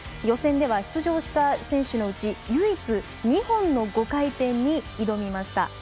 予選では出場した選手のうち唯一２本の５回転に挑みました。